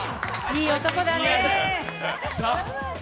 いい男だね。